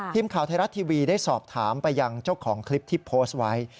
ทีมข่าวไทยรัฐทีวีได้สอบถามไปยังเจ้าของคลิปที่โพสต์ไว้